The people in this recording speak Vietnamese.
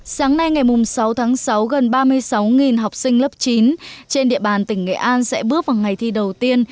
sáng nay ngày sáu tháng sáu gần ba mươi sáu học sinh lớp chín trên địa bàn tỉnh nghệ an sẽ bước vào ngày thi đầu tiên